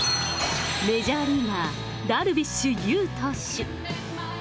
メジャーリーガー、ダルビッシュ有投手。